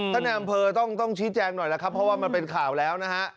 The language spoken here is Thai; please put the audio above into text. ในอำเภอต้องชี้แจงหน่อยแล้วครับเพราะว่ามันเป็นข่าวแล้วนะฮะ